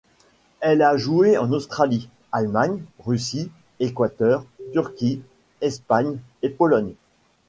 Elle a joué en Australie, Allemagne, Russie, Équateur, Turquie, Espagne et Pologne.